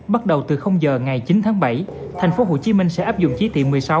bắt đầu từ giờ ngày chín tháng bảy tp hcm sẽ áp dụng chỉ thị một mươi sáu